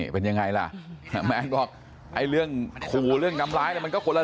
เป็นยังไงล่ะแมนบอกไอ้เรื่องขู่เรื่องทำร้ายแล้วมันก็คนละ